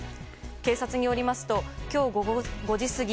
警察によりますと今日午後５時過ぎ